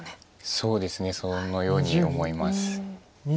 そうですねそのように思います。